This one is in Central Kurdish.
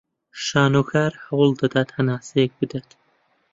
شانۆکار هەوڵ دەدات هەناسەیەک بدات